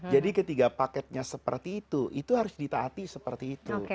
ketiga paketnya seperti itu itu harus ditaati seperti itu